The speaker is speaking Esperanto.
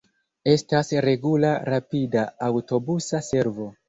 Estas regula rapida aŭtobusa servo.